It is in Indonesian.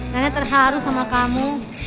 nenek terharu sama kamu